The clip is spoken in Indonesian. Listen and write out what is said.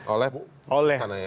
oleh istana ya